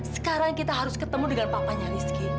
sekarang kita harus ketemu dengan papanya rizky